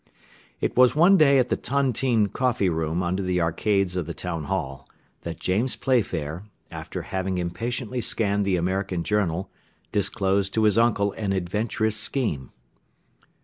It was one day at the Tontine coffee room under the arcades of the town hall, that James Playfair, after having impatiently scanned the American journal, disclosed to his uncle an adventurous scheme.